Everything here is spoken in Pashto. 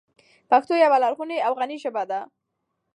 پښتو یوه لرغونې او غني ژبه ده.